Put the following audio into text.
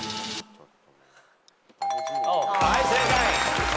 はい正解。